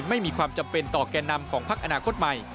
ไม่มีความจำเป็นต่อแก่นำของพักอนาคตใหม่